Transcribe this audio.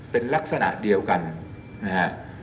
เป็นลักษณะเดียวกันนะฮะ